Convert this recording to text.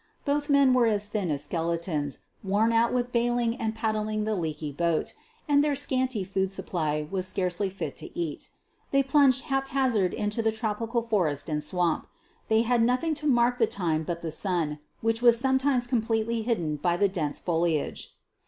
Both men were as thin as skeletons, worn out with bailing and paddling the leaky boat, and their scanty food supply was scarcely fit to eat. They plunged haphazard into the tropical forest and swamp. They had nothing to mark the time but the sun, which was sometimes completely hidden by the dense foliage.